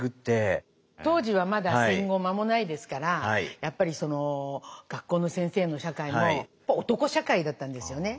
当時はまだ戦後間もないですからやっぱり学校の先生の社会も男社会だったんですよね。